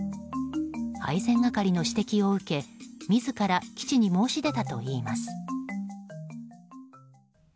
配膳係の指摘を受け自ら基地に申し出たといいます。